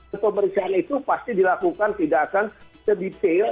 untuk periksaan itu pasti dilakukan tidak akan sedetail